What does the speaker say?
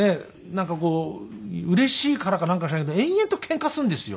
なんかこううれしいからかなんか知らないけど延々とケンカするんですよ。